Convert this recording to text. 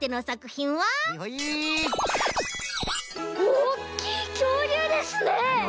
おっきいきょうりゅうですね！